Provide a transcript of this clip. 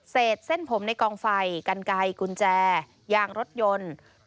เสร็จเส้นผมในกองไฟกันไกลกุญแจยางรถยนต์